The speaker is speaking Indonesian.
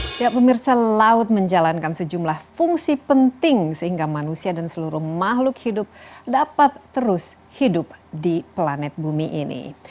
setiap pemirsa laut menjalankan sejumlah fungsi penting sehingga manusia dan seluruh makhluk hidup dapat terus hidup di planet bumi ini